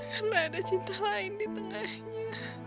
karena ada cinta lain di tengahnya